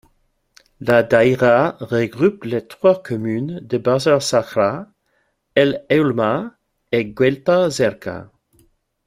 La daïra regroupe les trois communes de Bazer Sakhra, El Eulma et Guelta Zerka.